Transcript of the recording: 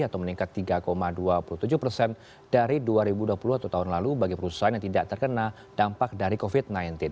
atau meningkat tiga dua puluh tujuh persen dari dua ribu dua puluh atau tahun lalu bagi perusahaan yang tidak terkena dampak dari covid sembilan belas